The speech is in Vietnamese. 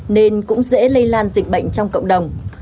nên cũng dễ lây lan dịch bệnh trong cộng đồng